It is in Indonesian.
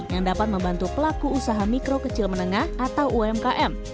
yang dapat membantu pelaku usaha mikro kecil menengah atau umkm